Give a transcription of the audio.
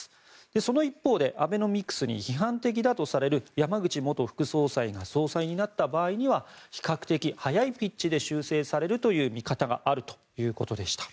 その一方でアベノミクスに批判的だとされる山口元副総裁が総裁になった場合には比較的早いピッチで修正されるという見方があるということでした。